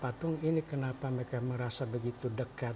patung ini kenapa mereka merasa begitu dekat